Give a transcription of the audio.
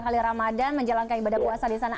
tiga kali ramadan menjalankan ibadah puasa di sana